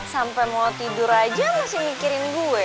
sampai mau tidur aja masih mikirin gue